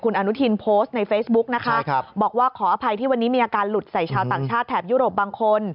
อนุทินโพสต์ในเฟซบุ๊กนะคะบอกว่าขออภัยที่วันนี้มีอาการหลุดใส่ชาวต่างชาติแถบยุโรปบางคน